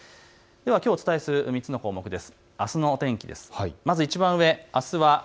ではきょうお伝えする３つの項目です。